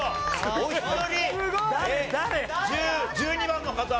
１２番の方。